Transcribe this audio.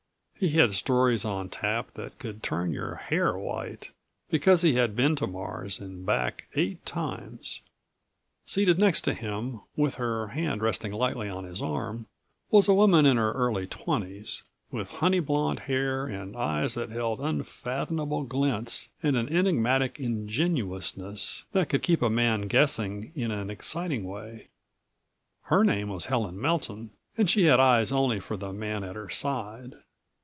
He had stories on tap that could turn your hair white, because he had been to Mars and back eight times. Seated next to him, with her hand resting lightly on his arm, was a woman in her early twenties, with honey blonde hair and eyes that held unfathomable glints and an enigmatical ingenuousness that could keep a man guessing in an exciting way. Her name was Helen Melton and she had eyes only for the man at her side.